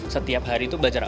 setiap hari itu belajar